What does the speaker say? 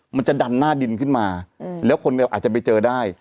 มันจะดันหน้าดินขึ้นมาแล้วคนเราอาจจะไปเจอได้